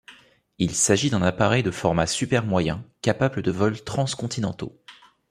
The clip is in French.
Il s'agit d'un appareil de format super-moyen capable de vol trans-continentaux.